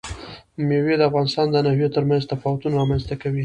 مېوې د افغانستان د ناحیو ترمنځ تفاوتونه رامنځ ته کوي.